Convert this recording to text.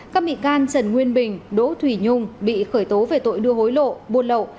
các bị can trần nguyên bình đỗ thủy nhung bị khởi tố về tội đưa hối lộ buôn lậu